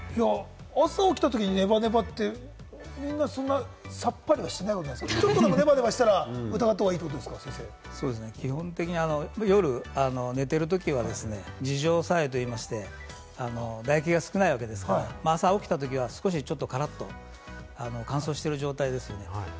朝起きたときにネバネバって、みんなさっぱり、少しでもネバネバしたら疑ったほうがいいんで基本的に夜寝てる時はですね、自浄作用と言いまして唾液が少ないわけですから、朝起きた時は少し、カラっと乾燥している状態ですよね。